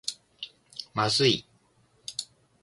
まずい